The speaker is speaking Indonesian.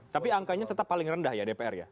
tapi angkanya tetap paling rendah ya dpr ya